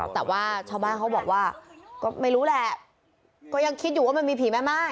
แต่ว่าชาวบ้านเขาบอกว่าก็ไม่รู้แหละก็ยังคิดอยู่ว่ามันมีผีแม่ม่าย